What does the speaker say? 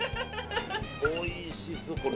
おいしそう、これ。